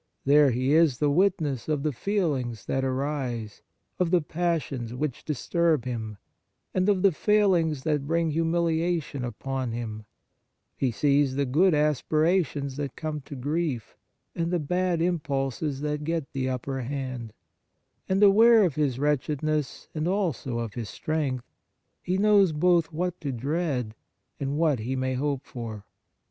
There he is the witness of the feelings that arise, of the passions which disturb him, and of the failings that bring humiliation upon him ; he sees the good aspira tions that come to grief, and the bad impulses that get the upper hand ; and, aware of his wretchedness, and also of his strength, he knows both what to dread and what he may hope for.